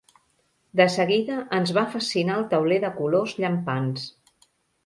De seguida ens va fascinar el tauler de colors llampants.